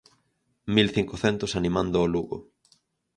Mil cincocentos animando o Lugo.